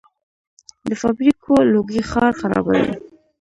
د فابریکو لوګي ښار خرابوي.